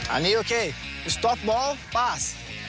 อันนี้โอเคต้องหยุดกินแล้วผ่าน